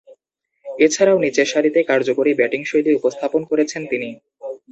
এছাড়াও, নিচেরসারিতে কার্যকরী ব্যাটিংশৈলী উপস্থাপন করেছেন তিনি।